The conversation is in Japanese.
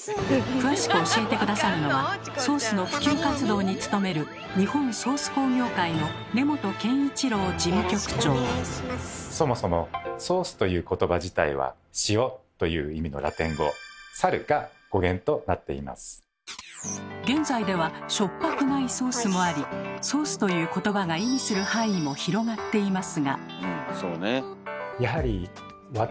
詳しく教えて下さるのはソースの普及活動に努めるそもそも「ソース」という言葉自体は「塩」という意味のラテン語「ソース」という言葉が意味する範囲も広がっていますが。